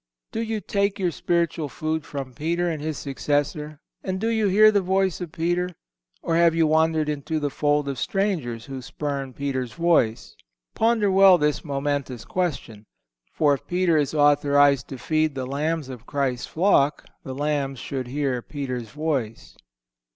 Do you take your spiritual food from Peter and his successor, and do you hear the voice of Peter, or have you wandered into the fold of strangers who spurn Peter's voice? Ponder well this momentous question. For if Peter is authorized to feed the lambs of Christ's flock, the lambs should hear Peter's voice.